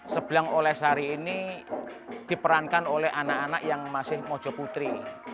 sebelang oleh sari ini diperankan oleh anak anak yang masih mojo putri